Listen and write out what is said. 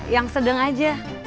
yang sedang aja